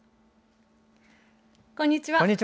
こんにちは。